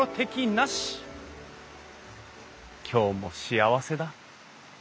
今日も幸せだ。